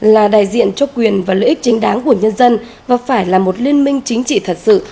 là đại diện cho quyền và lợi ích chính đáng của nhân dân và phải là một liên minh chính trị thật sự